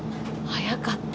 早かった。